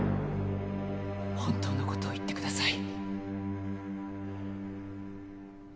本当のことを言ってください。